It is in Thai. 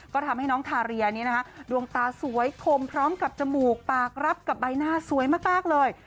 ก็ทำให้น้องทาเรียนี่นะคะดวงตาสวยคมพร้อมกับจมูกปากรับกับใบหน้าสวยมากเลย